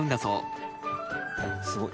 すごい。